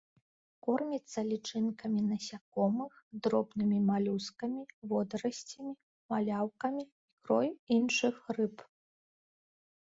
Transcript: Корміцца лічынкамі насякомых, дробнымі малюскамі, водарасцямі, маляўкамі, ікрой іншых рыб.